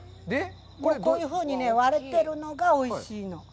こういうふうに割れてるのがおいしいの。